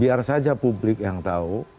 biar saja publik yang tahu